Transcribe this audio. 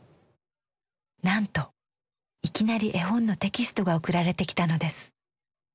なんといきなり絵本のテキストが送られてきたのです。